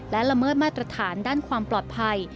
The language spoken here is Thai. และละเมิดมาตรฐานด้านความปลอดภัย